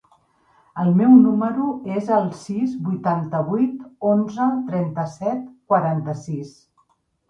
El meu número es el sis, vuitanta-vuit, onze, trenta-set, quaranta-sis.